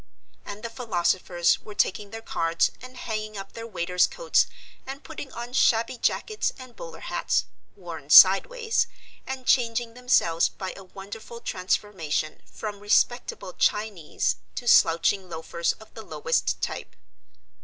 And the philosophers were taking their cards and hanging up their waiters' coats and putting on shabby jackets and bowler hats, worn sideways, and changing themselves by a wonderful transformation from respectable Chinese to slouching loafers of the lowest type.